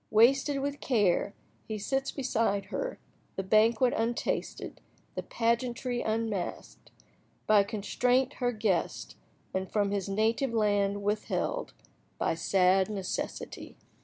"Wasted with care," he sits beside her—the banquet untasted—the pageantry unmasked— "... By constraint Her guest, and from his native land withheld By sad necessity."